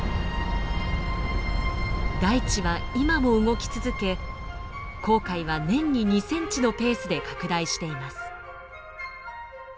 大地は今も動き続け紅海は年に２ｃｍのペースで拡大しています。